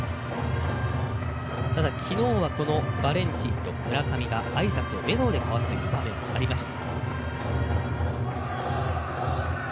ただきのうはバレンティンと村上があいさつを交わすという場面もありました。